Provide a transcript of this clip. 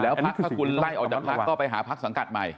แล้วภักดิ์ถ้าคุณไล่ออกจากภักดิ์ก็ไปหาภักดิ์สังกัดใหม่